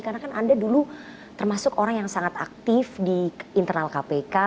karena kan anda dulu termasuk orang yang sangat aktif di internal kpk